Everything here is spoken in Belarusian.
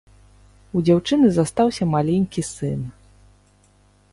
У дзяўчыны застаўся маленькі сын.